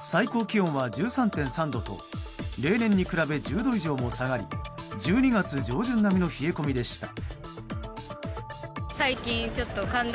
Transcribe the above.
最高気温は１３．３度と例年に比べ、１０度以上も下がり１２月上旬並みの冷え込みでした。